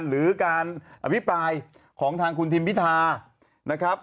หรือการอภิปรายของทางคุณทิมพิทา